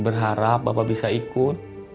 berharap bapak bisa ikut